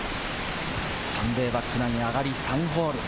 サンデーバックナイン、上がり３ホール。